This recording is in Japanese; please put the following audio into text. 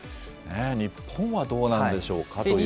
日本はどうなんでしょうかというと。